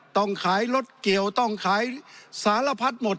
ต้องขายรถเกี่ยวต้องขายสารพัดหมด